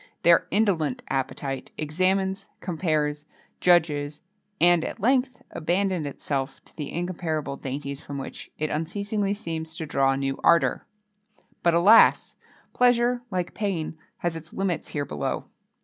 Their indolent appetite examines, compares, judges, and, at length, abandons itself to the incomparable dainties from which it unceasingly seems to draw new ardour. But alas! pleasure, like pain, has its limits here below.